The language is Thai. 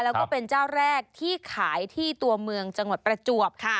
แล้วก็เป็นเจ้าแรกที่ขายที่ตัวเมืองจังหวัดประจวบค่ะ